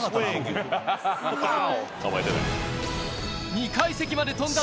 ２階席まで飛んだ